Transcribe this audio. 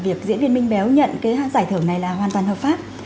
việc diễn viên minh béo nhận cái giải thưởng này là hoàn toàn hợp pháp